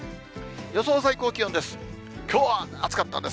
予想最高気温です。